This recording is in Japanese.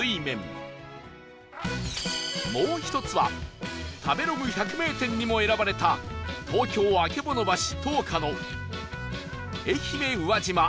もう１つは食べログ百名店にも選ばれた東京・曙橋、灯花の愛媛宇和島鯛塩らぁ麺